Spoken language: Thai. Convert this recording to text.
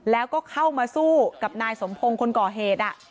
แล้วก็เข้ามาสู้กับนายสมพงศ์คนก่อเหตุ